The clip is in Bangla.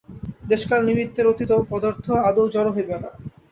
দেশ-কাল-নিমিত্তের অতীত পদার্থ আদৌ জড় হইবে না।